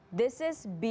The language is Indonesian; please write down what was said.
ini lebih dari